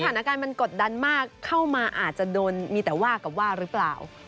สถานการณ์มันกดดันมากเข้ามาอาจจะโดนมีแต่ว่ากับว่าหรือเปล่า